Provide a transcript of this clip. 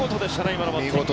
今のバッティング。